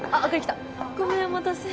ごめんお待たせ。